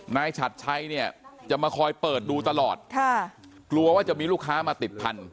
ฉัดชัยเนี่ยจะมาคอยเปิดดูตลอดค่ะกลัวว่าจะมีลูกค้ามาติดพันธ